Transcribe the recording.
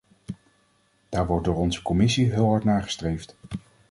Daar wordt door onze commissie heel hard naar gestreefd.